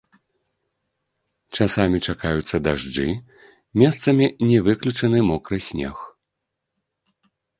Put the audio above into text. Часамі чакаюцца дажджы, месцамі не выключаны мокры снег.